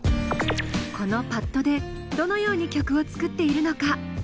このパッドでどのように曲を作っているのか？